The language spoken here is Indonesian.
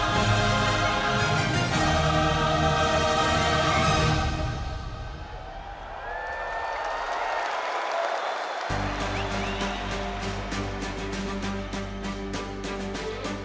satu persaudaraan satu tujuan